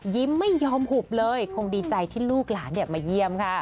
ไม่ยอมหุบเลยคงดีใจที่ลูกหลานมาเยี่ยมค่ะ